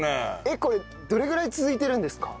えっこれどれぐらい続いてるんですか？